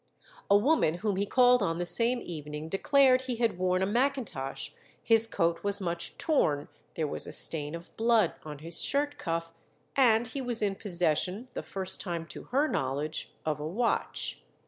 A woman whom he called on the same evening declared he had worn a mackintosh, his coat was much torn, there was a stain of blood on his shirt cuff, and he was in possession, the first time to her knowledge, of a watch.